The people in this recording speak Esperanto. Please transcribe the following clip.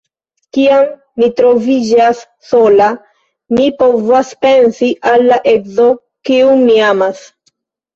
Kiam mi troviĝas sola, mi povas pensi al la edzo, kiun mi amas.